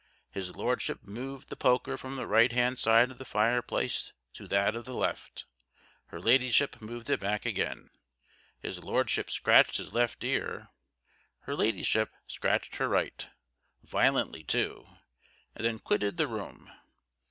His Lordship moved the poker from the right hand side of the fireplace to that of the left: her Ladyship moved it back again. His Lordship scratched his left ear; her Ladyship scratched her right violently too and then quitted the room.